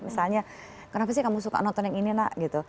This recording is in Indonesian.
misalnya kenapa sih kamu suka nonton yang ini nak gitu